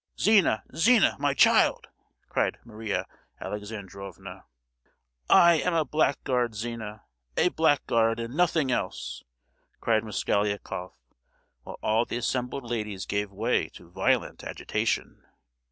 "Zina, Zina—my child!" cried Maria Alexandrovna. "I am a blackguard, Zina—a blackguard, and nothing else!" cried Mosgliakoff; while all the assembled ladies gave way to violent agitation.